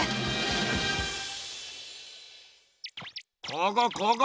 ここここ！